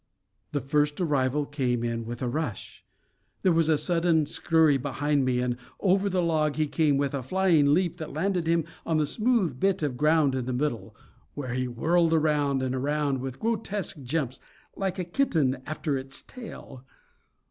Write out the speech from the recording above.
The first arrival came in with a rush. There was a sudden scurry behind me, and over the log he came with a flying leap that landed him on the smooth bit of ground in the middle, where he whirled around and around with grotesque jumps, like a kitten after its tail.